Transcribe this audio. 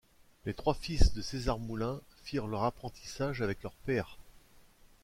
Les trois fils de César Moulin firent leur apprentissage avec leur père.